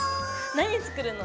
何作るの？